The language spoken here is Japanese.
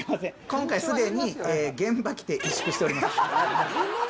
今回すでに現場来て萎縮しております